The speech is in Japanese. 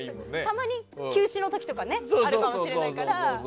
たまに休止の時とかあるかもしれないから。